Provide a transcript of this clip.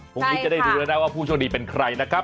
พรุ่งนี้จะได้ดูแล้วนะว่าผู้โชคดีเป็นใครนะครับ